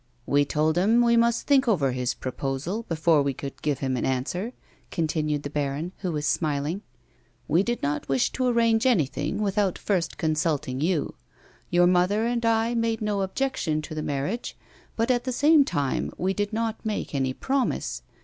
" We told him we must think over his proposal before we could give him an answer/' continued the baron, who was smiling. " We did not wish to arrange anything without first consulting you ; your mother and I made no objection to the marriage, but at the same time we did not make any promise.